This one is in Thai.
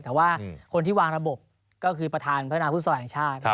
แต่ว่าคนที่วางระบบก็คือประธานพัฒนาฟุตซอลแห่งชาติ